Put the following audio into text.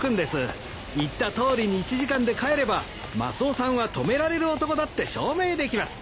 言ったとおりに１時間で帰ればマスオさんは止められる男だって証明できます。